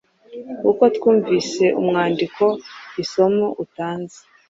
uko twumvise umwandiko. isomo utanze